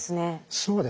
そうです。